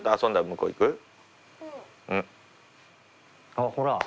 あっほら。